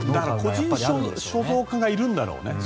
個人収集家がいるんだろうね。